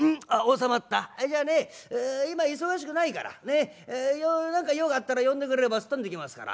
そいじゃね今忙しくないからねっ何か用があったら呼んでくれればすっ飛んでいきますから。